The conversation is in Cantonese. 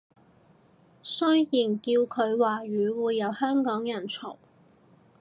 雖然叫佢華語會有香港人嘈